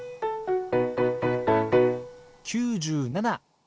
９７。